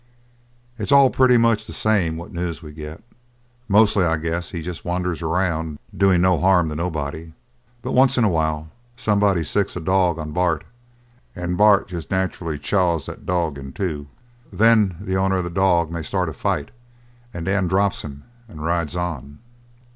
"It's all pretty much the same, what news we get. Mostly I guess he jest wanders around doin' no harm to nobody. But once in a while somebody sicks a dog on Bart, and Bart jest nacherally chaws that dog in two. Then the owner of the dog may start a fight, and Dan drops him and rides on."